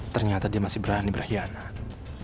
ternyata dia masih berani berkhianat